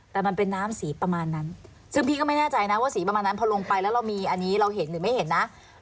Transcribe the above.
แต่มันเป็นน้ำสีประมาณนั้นซึ่งพี่ก็ไม่แน่ใจนะว่าสีประมาณนั้นพอลงไปแล้วเรามีอันนี้เราเห็นหรือไม่เห็นนะ